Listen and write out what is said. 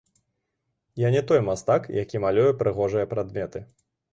Я не той мастак, які малюе прыгожыя прадметы.